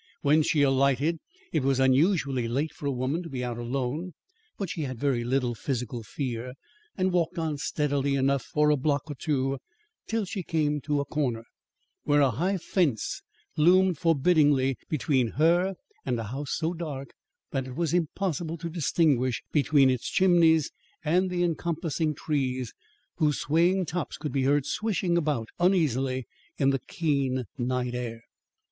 When she alighted, it was unusually late for a woman to be out alone; but she had very little physical fear, and walked on steadily enough for a block or two till she came to a corner, where a high fence loomed forbiddingly between her and a house so dark that it was impossible to distinguish between its chimneys and the encompassing trees whose swaying tops could be heard swishing about uneasily in the keen night air.